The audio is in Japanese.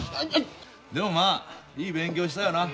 でもまあいい勉強したよな。